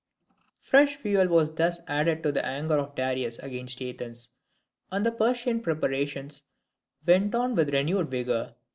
Fresh fuel was thus added to the anger of Darius against Athens, and the Persian preparations went on with renewed vigour.